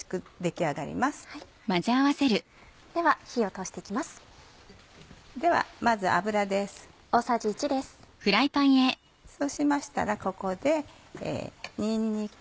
そうしましたらここでにんにく。